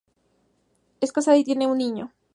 Es casada y tiene un niño.